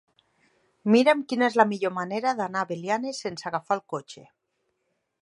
Mira'm quina és la millor manera d'anar a Belianes sense agafar el cotxe.